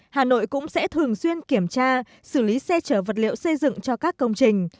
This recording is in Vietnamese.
hà nội cũng sẽ thường xuyên kiểm tra xử lý xe chở vật liệu xây dựng cho các công trình